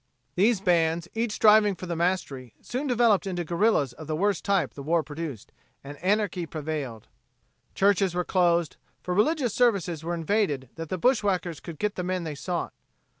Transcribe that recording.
These bands, each striving for the mastery, soon developed into guerrillas of the worst type the war produced, and anarchy prevailed. Churches were closed, for religious services were invaded that the bushwackers could get the men they sought.